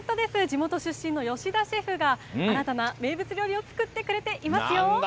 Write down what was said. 地元出身の吉田シェフが新たな名物料理を作ってくれていますよ。